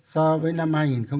so với năm hai nghìn một mươi tám